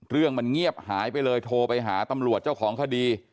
เรื่องมันเงียบหายไปเลยโทรไปหาตำรวจเจ้าของคดี